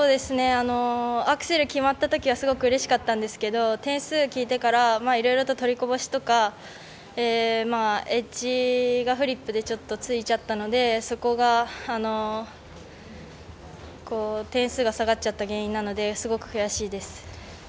アクセル決まったときはすごくうれしかったんですけど点数聞いてからいろいろ取りこぼしとかエッジがフリップでちょっとついちゃったのでそこが、点数が下がっちゃった原因なのですごく悔しいです。